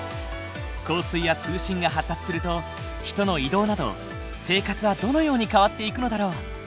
交通や通信が発達すると人の移動など生活はどのように変わっていくのだろう？